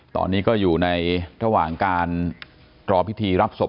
ตอนนี้ก็อยู่ในระหว่างการรอพิธีรับศพ